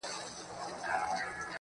• نن دي دواړي سترگي سرې په خاموشۍ كـي.